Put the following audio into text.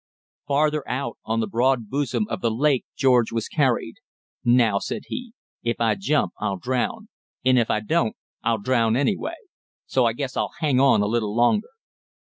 Farther out on the broad bosom of the lake George was carried. "Now," said he, "if I jump, I'll drown; and if I don't, I'll drown anyway. So I guess I'll hang on a little longer."